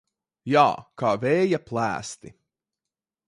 Jā, kā vēja plēsti.